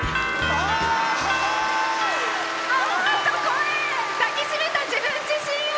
あー！と声抱き締めた、自分自身を。